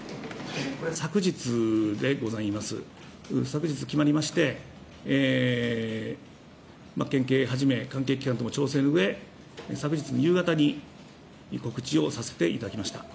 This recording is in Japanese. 昨日決まりまして県警をはじめ関係機関とも調整のうえ昨日の夕方に告知をさせていただきました。